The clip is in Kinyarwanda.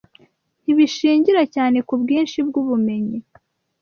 ntibishingira cyane ku bwinshi bw’ubumenyi